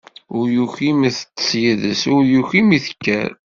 Ur yuki mi teṭṭeṣ yid-s, ur yuki mi tekker.